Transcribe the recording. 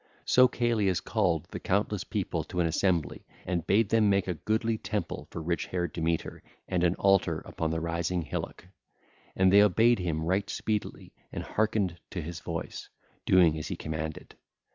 So Celeus called the countless people to an assembly and bade them make a goodly temple for rich haired Demeter and an altar upon the rising hillock. And they obeyed him right speedily and harkened to his voice, doing as he commanded.